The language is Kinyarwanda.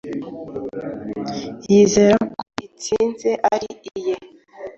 Yizera ko intsinzi ari iye.